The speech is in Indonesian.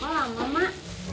kok lama mak